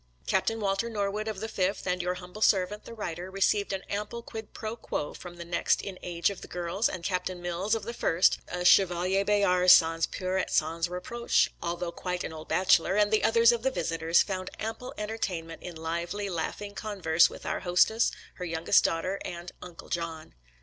Captain Walter Norwood, of the Fifth, and your humble servant, the writer, received an ample quid pro quo from the next in age of the girls, and Captain Mills, of the First — a Chevalier Bayard sans peur et sans reproche, although quite an old bachelor — and the others of the visitors, found ample entertainment in lively, laughing converse with our hostess, her youngest daughter, and " Uncle John."